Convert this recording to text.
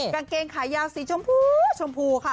กางเกงขายาวสีชมพูชมพูค่ะ